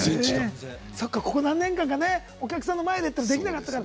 ここ何年間かお客さんの前でってできなかったから。